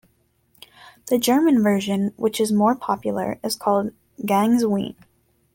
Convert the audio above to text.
The German version, which is more popular, is called "Ganz Wien".